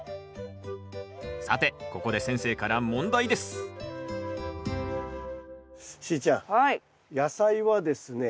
さてここで先生から問題ですしーちゃん野菜はですね